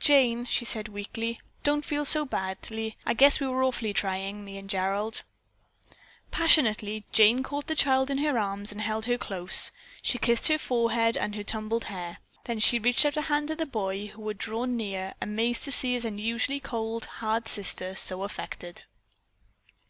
"Jane," she said weakly, "don't feel so badly. I guess we were awfully trying, me and Gerald." Passionately Jane caught the child in her arms and held her close. She kissed her forehead and her tumbled hair. Then she reached out a hand to the boy, who had drawn near amazed to see his usually cold, hard sister so affected.